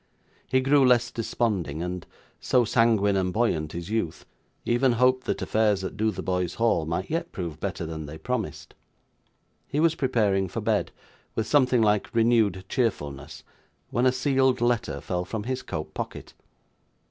He grew less desponding, and so sanguine and buoyant is youth even hoped that affairs at Dotheboys Hall might yet prove better than they promised. He was preparing for bed, with something like renewed cheerfulness, when a sealed letter fell from his coat pocket.